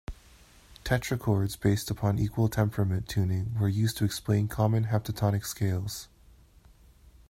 Tetrachords based upon equal temperament tuning were used to explain common heptatonic scales.